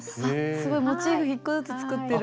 すごいモチーフ１個ずつ作ってる。